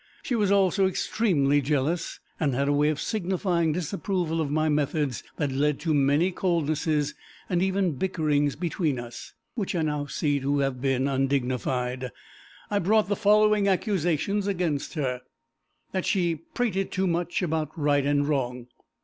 She was also extremely jealous, and had a way of signifying disapproval of my methods that led to many coldnesses and even bickerings between us, which I now see to have been undignified. I brought the following accusations against her: That she prated too much about right and wrong.